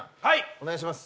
お願いします